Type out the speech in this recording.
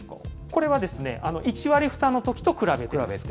これは、１割負担のときと比べてです。